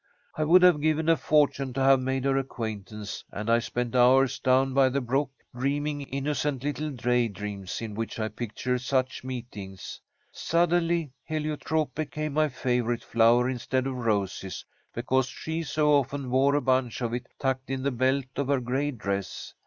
"I would have given a fortune to have made her acquaintance, and I spent hours down by the brook dreaming innocent little day dreams in which I pictured such meetings. Suddenly heliotrope became my favourite flower instead of roses, because she so often wore a bunch of it tucked in the belt of her gray dress.